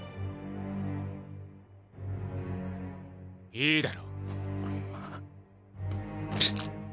いいだろう。